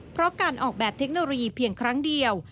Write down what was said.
เพราะการออกแบบเทคโนโลยีเพียงครั้งเดียว